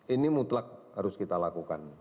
ini mutlak harus kita lakukan